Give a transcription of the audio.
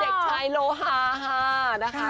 เด็กชายโลฮาค่ะ